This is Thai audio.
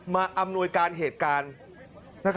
อำนวยการเหตุการณ์